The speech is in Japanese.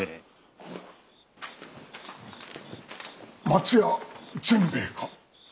松屋善兵衛か？